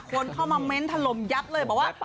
คนเข้ามาเม้นถล่มยับเลยบอกว่า